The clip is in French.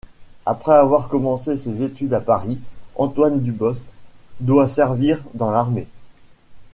Après avoir commencé ses études à Paris, Antoine Dubost doit servir dans l'armée.